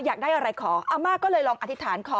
อยากได้อะไรขออาม่าก็เลยลองอธิษฐานขอ